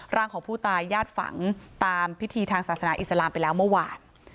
ร่างของผู้ตายญาติฝังตามพิธีทางศาสนาอิสลามไปแล้วเมื่อวาน